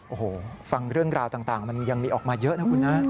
โอ้โหฟังเรื่องราวต่างมันยังมีออกมาเยอะนะคุณนะ